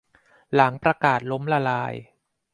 หลังประกาศล้มละลาย